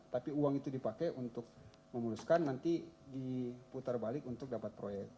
tapi uang itu dipakai untuk memuluskan nanti diputar balik untuk dapat proyek